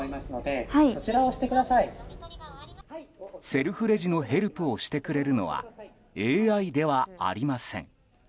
セルフレジのヘルプをしてくれるのはＡＩではありません。